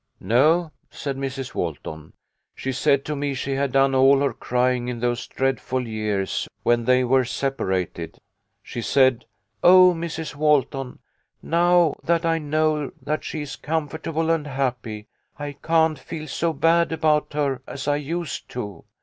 " No," said Mrs. Walton, " she said to me that she had done all her crying in those dreadful years when they were separated. She said, ' Oh, Mrs. Walton, now that I know that she's comfortable and happy, I can't feel so bad about her as I used to.